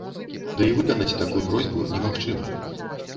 Ды і выканаць такую просьбу немагчыма.